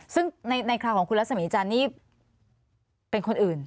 ซึ่งในคราวของคุณลักษมณีจานนี่เป็นคนอื่น